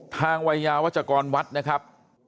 วัยยาวัชกรวัดนะครับ